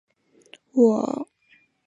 我出来找找